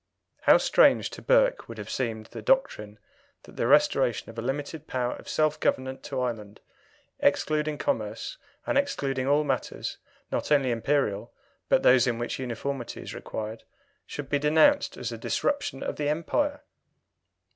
" How strange to Burke would have seemed the doctrine that the restoration of a limited power of self government to Ireland, excluding commerce, and excluding all matters not only Imperial, but those in which uniformity is required, should be denounced as a disruption of the Empire!